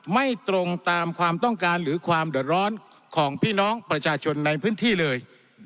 ไม่ตรงตามความต้องการหรือความเดือดร้อนของพี่น้องประชาชนในพื้นที่เลย